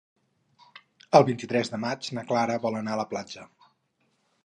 El vint-i-tres de maig na Clara vol anar a la platja.